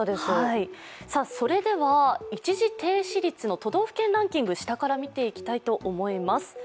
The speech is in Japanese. それでは、一時停止率の都道府県ランキング、下から見ていきたいと思います。